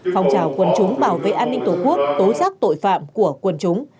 phong trào quân chúng bảo vệ an ninh tổ quốc tố giác tội phạm của quân chúng